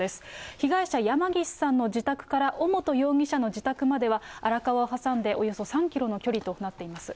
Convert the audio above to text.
被害者、山岸さんの自宅から尾本容疑者の自宅までは、荒川を挟んでおよそ３キロの距離となっています。